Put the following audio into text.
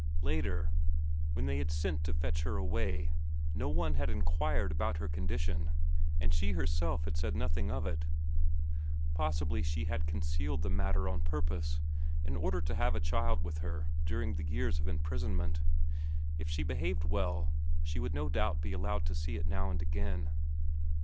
Later, when they had sent to fetch her away, no one had inquired about her condition, and she herself had said nothing of it. Possibly she had concealed the matter on purpose, in order to have a child with her during the years of imprisonment; if she behaved well, she would no doubt be allowed to see it now and again.